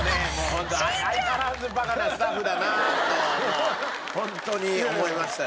ホント相変わらずバカなスタッフだなともうホントに思いましたね。